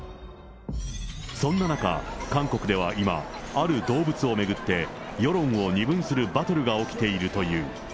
そんな中、韓国では今、ある動物を巡って、世論を二分するバトルが起きているという。